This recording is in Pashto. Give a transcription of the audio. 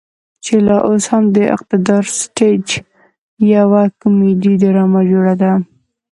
چې لا اوس هم د اقتدار سټيج يوه کميډي ډرامه جوړه ده.